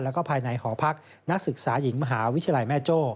แล้วก็ภายในหอพักนักศึกษาหญิงมหาวิทยาลัยแม่โจ้